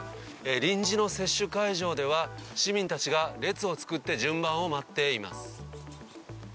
臨時の接種会場では市民たちが列を作って順番を待っています。